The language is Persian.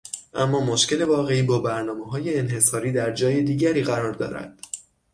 اما مشکل واقعی با برنامههای انحصاری در جای دیگری قرار دارد